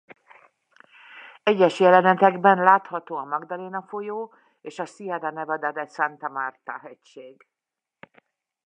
Egyes jelenetekben látható a Magdalena folyó és a Sierra Nevada de Santa Marta hegység.